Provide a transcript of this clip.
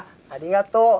ありがとう。